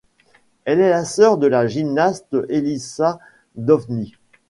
Elle est la sœur de la gymnaste Elissa Downie.